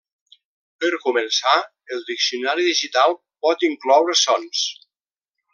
Per començar, el diccionari digital pot incloure sons.